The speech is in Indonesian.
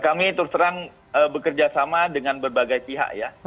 kami terus terang bekerja sama dengan berbagai pihak ya